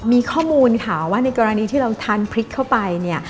มีข้อมูลว่าในกรณีที่ทานพริกเข้าไป